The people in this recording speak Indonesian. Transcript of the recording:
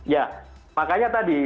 ya makanya tadi